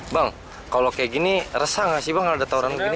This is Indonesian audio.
bang kalau kayak gini resah nggak sih bang kalau ada tawuran begini